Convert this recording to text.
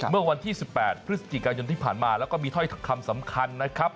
เมื่อวันที่๑๘พฤศจิกายนที่ผ่านมาแล้วก็มีถ้อยคำสำคัญนะครับ